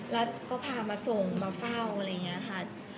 แล้วก็พามาส่งมาเฝ้าอะไรอย่างนี้ค่ะ